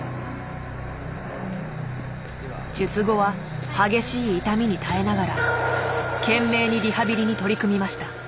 術後は激しい痛みに耐えながら懸命にリハビリに取り組みました。